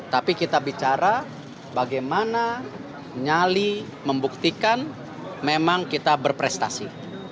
tapi kita bicara bagaimana nyali membuktikan memang kita berprestasi